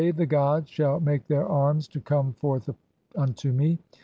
<?., the gods) shall make their arms to come "forth unto me.